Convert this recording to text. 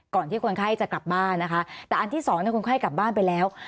ที่คนไข้จะกลับบ้านนะคะแต่อันที่สองคนไข้กลับบ้านไปแล้ว